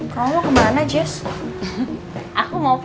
kalau bapak rasa jessica lebih baik dirawat di rumah saya dukung saja kok pak